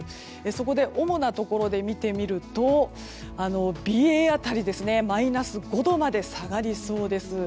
そこで主なところで見てみると美瑛辺りはマイナス５度まで下がりそうです。